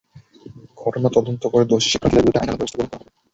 ঘটনা তদন্ত করে দোষী শিক্ষার্থীদের বিরুদ্ধে আইনানুগ ব্যবস্থা গ্রহণ করা হবে।